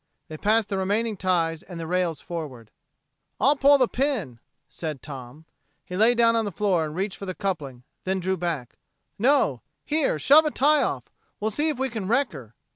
They passed the remaining ties and the rails forward. "I'll pull the pin," said Tom. He lay down on the floor and reached for the coupling; then he drew back. "No here, shove a tie off. Well see if we can wreck her."